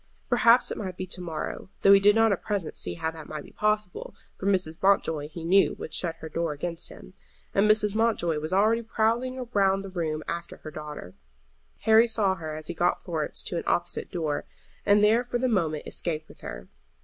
Perhaps it might be to morrow, though he did not at present see how that might be possible, for Mrs. Mountjoy, he knew, would shut her door against him. And Mrs. Mountjoy was already prowling round the room after her daughter. Harry saw her as he got Florence to an opposite door, and there for the moment escaped with her.